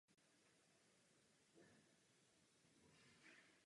Některá zvířata či dekorace jsou dostupné pouze za diamanty.